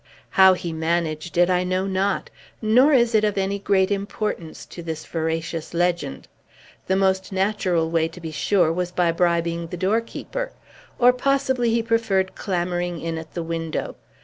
How he managed it I know not, nor is it of any great importance to this veracious legend. The most natural way, to be sure, was by bribing the doorkeeper, or possibly he preferred clambering in at the window.